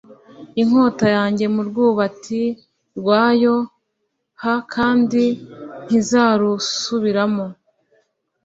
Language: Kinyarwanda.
Inkota yanjye mu rwubati rwayo h kandi ntizarusubiramo